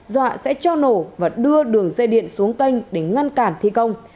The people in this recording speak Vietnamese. dọa sẽ cho nổ và đưa đường dây điện xuống canh để ngăn cản thi công